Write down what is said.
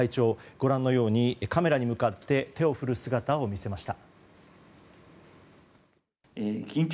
ご覧のようにカメラに向かって手を振る姿を見せました。